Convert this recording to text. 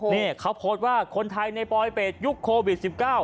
นี่เขาโพสต์ว่าคนไทยในปลอยเป็ดยุคโควิด๑๙